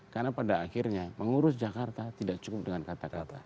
karena pada akhirnya mengurus jakarta tidak cukup dengan kata kata